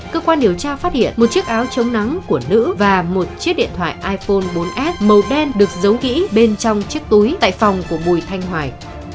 cơ quan điều tra phát hiện một chiếc áo chống nắng của nữ và một chiếc điện thoại iphone bốn s màu đen được giấu kỹ bên trong chiếc túi tại phòng của bùi thanh hoài